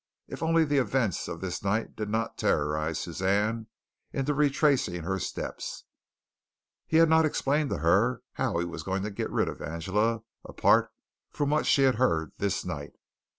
If only the events of this night did not terrorize Suzanne into retracing her steps! He had not explained to her how he was to get rid of Angela apart from what she had heard this night.